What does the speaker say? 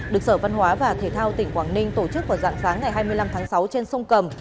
được sở văn hóa và thể thao tỉnh quảng ninh tổ chức vào dạng sáng ngày hai mươi năm tháng sáu trên sông cầm